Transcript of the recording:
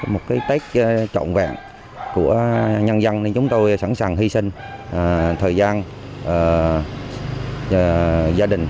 một cái tết trọn vẹn của nhân dân nên chúng tôi sẵn sàng hy sinh thời gian gia đình